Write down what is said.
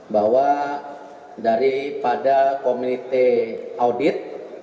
bahwa daripada komite audit